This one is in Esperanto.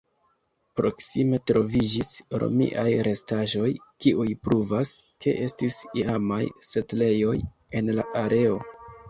Proksime troviĝis romiaj restaĵoj kiuj pruvas, ke estis iamaj setlejoj en la areo.